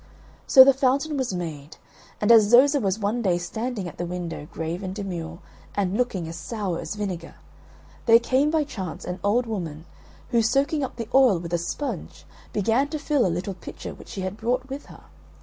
So the fountain was made; and as Zoza was one day standing at the window, grave and demure, and looking as sour as vinegar, there came by chance an old woman, who, soaking up the oil with a sponge, began to fill a little pitcher which she had brought with her.